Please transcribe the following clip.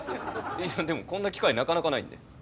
いやでもこんな機会なかなかないんで。